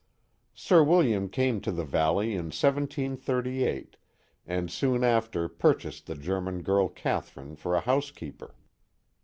Sir William came to the valley in 1738, and soon after purchased the German girl Catherine for a housekeeper.